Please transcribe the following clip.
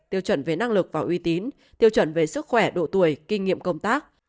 tiêu chuẩn về năng lực và uy tín tiêu chuẩn về sức khỏe độ tuổi kinh nghiệm công tác